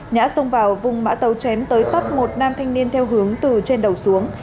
nhã xông vào vùng mã tấu chém tới tấp một nam thanh niên theo hướng từ trên đầu xuống